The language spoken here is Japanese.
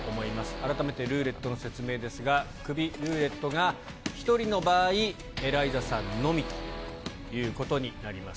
改めてルーレットの説明ですが、クビルーレットが、１人の場合、エライザさんのみということになります。